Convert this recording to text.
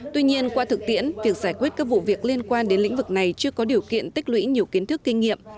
tuy nhiên qua thực tiễn việc giải quyết các vụ việc liên quan đến lĩnh vực này chưa có điều kiện tích lũy nhiều kiến thức kinh nghiệm